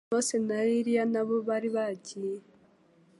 Mose na Eliya nabo bari bagiye.